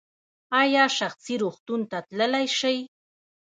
ایا شخصي روغتون ته تللی شئ؟